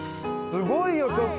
すごいよちょっと！